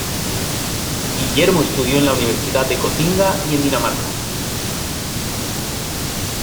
Guillermo estudió en la Universidad de Gotinga y en Dinamarca.